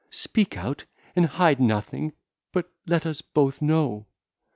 Speak out and hide nothing, but let us both know.